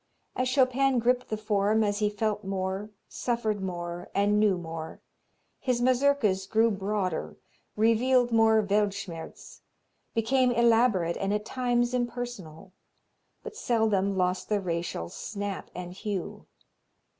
As Chopin gripped the form, as he felt more, suffered more and knew more, his Mazurkas grew broader, revealed more Weltschmerz, became elaborate and at times impersonal, but seldom lost the racial "snap" and hue.